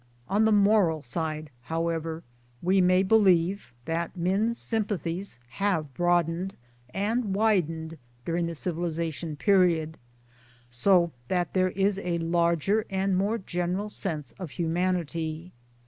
On the moral side however, we may believe that men's sympathies have broadened and widened during the civilization period so that there is a larger and more general sense of Humanity.